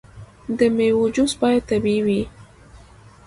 د میوو جوس باید طبیعي وي.